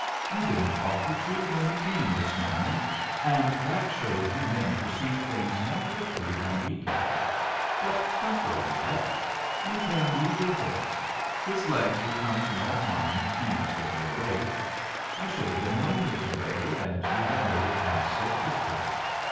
You didn't offer to when you came this morning and that shows you men perceive things more quickly than we can. But don't go yet. You can lead your horse. His legs will come to no harm, eased of your weight. I should have been lonely to day, and you have made it pass so quickly.